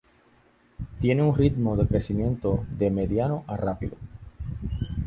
Tiene un ritmo de crecimiento de mediano a rápido.